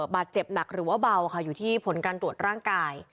บาดเจ็บหนักหรือว่าเบาค่ะอยู่ที่ผลการตรวจร่างกาย